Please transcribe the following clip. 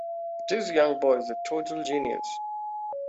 This young boy is a total genius.